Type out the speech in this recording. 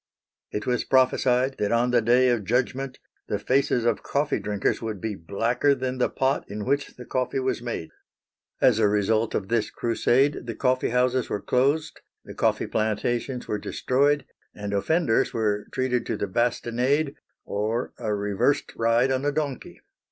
It was prophesied that on the day of judgment the faces of coffee drinkers would be blacker than the pot in which the coffee was made. As a result of this crusade the coffee houses were closed; the coffee plantations were destroyed, and offenders were treated to the bastinade or a reversed ride on a donkey.